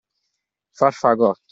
Far fagotto.